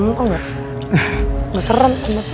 maksudnya lo ngapain sih pake topeng segala